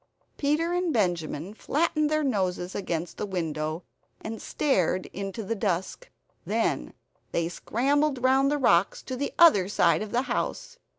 Peter and Benjamin flattened their noses against the window, and stared into the dusk. Then they scrambled round the rocks to the other side of the house.